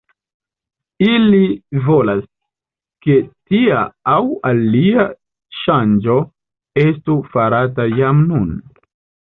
Ili volas, ke tia aŭ alia ŝanĝo estu farata jam nun.